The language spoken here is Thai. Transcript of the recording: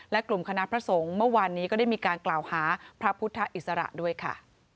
และกลุ่มคณะพระสงฆ์เมื่อวานนี้ก็ได้มีการกล่าวหาพระพุทธอิสระด้วยค่ะ